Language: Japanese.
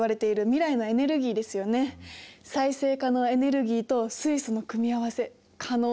再生可能エネルギーと水素の組み合わせ可能性を感じます。